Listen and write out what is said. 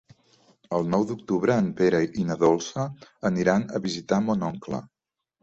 El nou d'octubre en Pere i na Dolça aniran a visitar mon oncle.